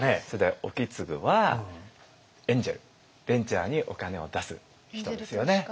それで意次はエンジェルベンチャーにお金を出す人ですよね。